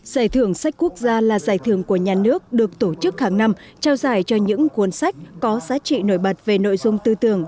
giải thưởng sách quốc gia là giải thưởng của nhà nước được tổ chức hàng năm trao giải cho những cuốn sách có giá trị nổi bật về nội dung tư tưởng